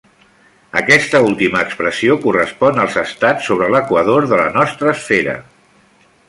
Aquesta última expressió correspon als estats sobre l'equador de la nostra esfera.